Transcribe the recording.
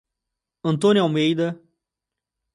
Antônio Almeida